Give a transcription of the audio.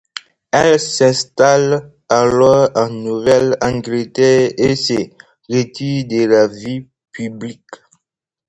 Elle s'installe alors en Nouvelle-Angleterre et se retire de la vie publique.